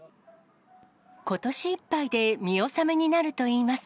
ことしいっぱいで見納めになるといいます。